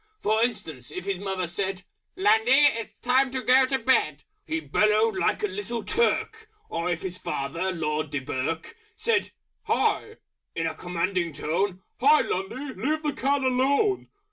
For instance if his Mother said, "Lundy! It's time to go to Bed!" He bellowed like a Little Turk. Or if his father Lord Dunquerque Said "Hi!" in a Commanding Tone, "Hi, Lundy! Leave the Cat alone!"